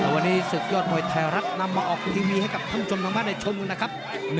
วันนี้ศึกยอดมวยไทยรัฐนำมาออกทีวีให้กับท่านผู้ชมทางท่านได้ชมกันนะครับ